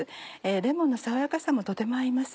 レモンの爽やかさもとても合います。